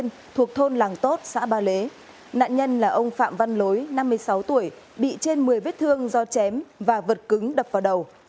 nạn nhân là ông phạm văn lối năm mươi sáu tuổi bị trên một mươi vết thương do chém và vật cứng đập vào đầu